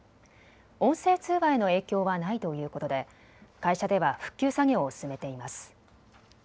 音声通話への影響はないということで会社では復旧作業を進めています。